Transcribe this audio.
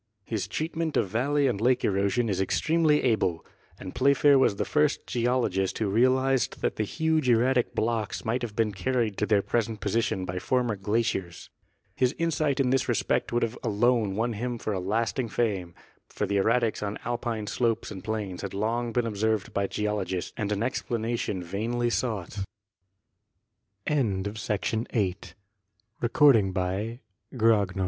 His treatment of valley and lake erosion is extremely able. And Playfair was the first geologist who realized that the huge erratic blocks might have been carried to their present position by former glaciers. His insight in this respect would alone have won for him a lasting fame, for the erratics on Alpine slopes and plains had long been observed by geologists and an explanation vainly sou